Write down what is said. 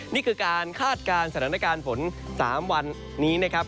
นี่คือการคาดการณ์สถานการณ์ฝน๓วันนี้นะครับ